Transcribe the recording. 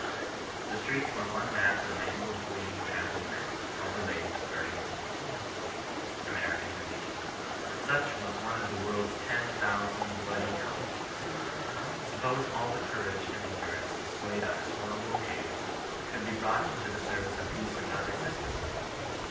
The streets were one mass of mangled, bleeding, tram pled men, overlaid with burning ruins." — American Review. Such was one of the world's ten thousand bloody con Aict3, Suppose all the courage and endurance displayed CHRISTIAN NON AESISTANCE. 147 on this horrible occasion could be brought into the ser vice of peace and non resistance